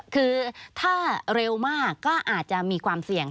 คือถ้าเร็วมากก็อาจจะมีความเสี่ยง